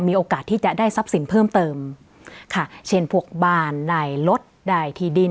มีโอกาสที่จะได้ทรัพย์สินเพิ่มเติมค่ะเช่นพวกบ้านได้รถได้ที่ดิน